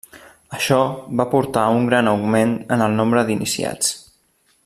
Això va portar a un gran augment en el nombre d'iniciats.